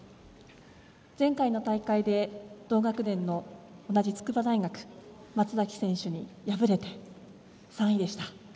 前回の大会で同学年の同じ筑波大学、松崎選手に敗れて３位でした。